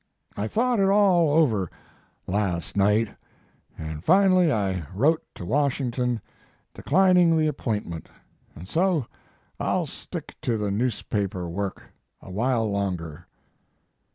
I thought it all over last night, and finally I wrote to Washington declining the ap pointment, and so I ll stick to the news paper work a while longer."